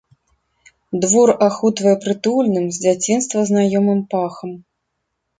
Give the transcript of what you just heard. Двор ахутвае прытульным, з дзяцінства знаёмым пахам.